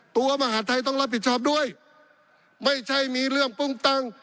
มหาดไทยต้องรับผิดชอบด้วยไม่ใช่มีเรื่องปึ้งตั้ง